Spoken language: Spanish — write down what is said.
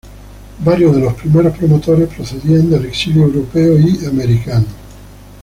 Varios de los primeros promotores procedían del exilio europeo y americano.